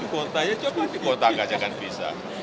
kontaknya coba di kontak aja kan bisa